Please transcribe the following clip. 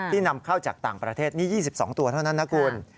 นำเข้าจากต่างประเทศนี้๒๒ตัวเท่านั้นนะคุณ